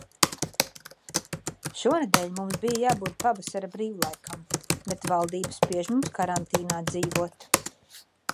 Šonedēļ mums bija jābūt pavasara brīvlaikam, bet valdība spiež mums karantīnā dzīvot.